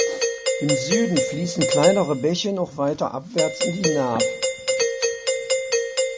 Im Süden fließen kleinere Bäche noch weiter abwärts in die Naab.